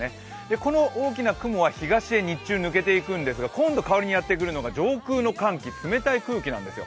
この大きな雲は東へ日中、抜けていくんですが、今度代わりにやってくるのが上空の空気、冷たい寒気なんですよ。